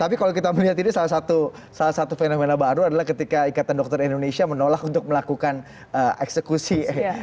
tapi kalau kita melihat ini salah satu fenomena baru adalah ketika ikatan dokter indonesia menolak untuk melakukan eksekusi